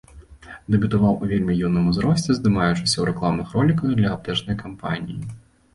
Дэбютаваў у вельмі юным узросце, здымаючыся ў рэкламных роліках для аптэчнай кампаніі.